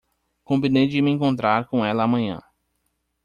Combinei de me encontrar com ela amanhã